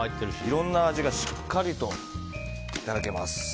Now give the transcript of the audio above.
いろんな味がしっかりといただけます。